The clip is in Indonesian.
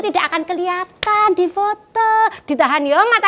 tidak akan kelihatan di foto ditahan ya mata